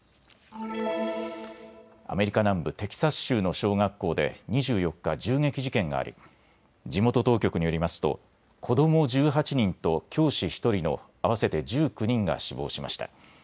アメリカ南部テキサス州の小学校で２４日、銃撃事件があり地元当局によりますと子ども１８人と教師１人の合わせて１９人が死亡しました。